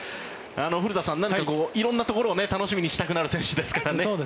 古田さん、色んなところを楽しみにしたくなる選手ですからね。